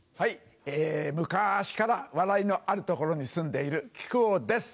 むかしから笑いのある所に住んでいる木久扇です！